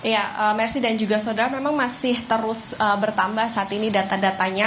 ya mercy dan juga saudara memang masih terus bertambah saat ini data datanya